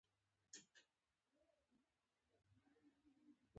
د انځر دانه د څه لپاره وکاروم؟